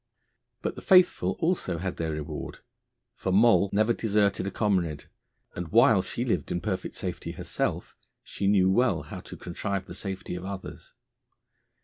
But the faithful also had their reward, for Moll never deserted a comrade, and while she lived in perfect safety herself she knew well how to contrive the safety of others.